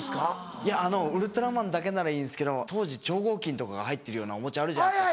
いやウルトラマンだけならいいんですけど当時超合金とかが入ってるようなおもちゃあるじゃないですか。